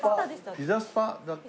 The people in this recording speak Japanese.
ピザスパだっけ？